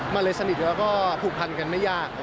มันเลยสนิทแล้วก็ผูกพันกันไม่ยาก